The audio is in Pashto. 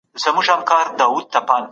مثبت فکر مو په ژوند کي د ثبات لامل کیږي.